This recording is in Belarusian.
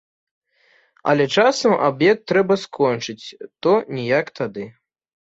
Але часам аб'ект трэба скончыць, то ніяк тады.